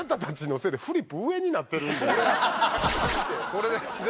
これですね。